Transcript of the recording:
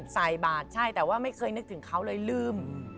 ใส่บาทใช่แต่ว่าไม่เคยนึกถึงเขาเลยลืม